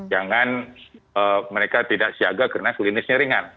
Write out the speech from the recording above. jangan mereka tidak siaga karena klinisnya ringan